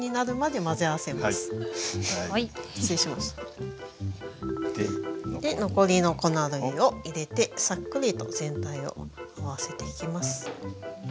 で残りの粉類を入れてサックリと全体を合わせていきます。